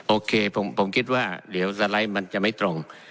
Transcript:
โอเคผมคิดว่าเดี๋ยวสไลด์มันจะไม่ตรง